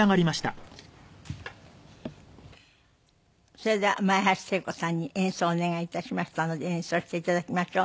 それでは前橋汀子さんに演奏お願い致しましたので演奏して頂きましょう。